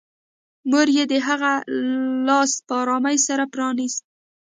مور یې د هغه لاس په ارامۍ سره پرانيست